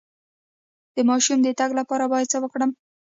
د ماشوم د تګ لپاره باید څه وکړم؟